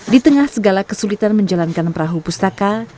di tengah segala kesulitan menjalankan perahu pustaka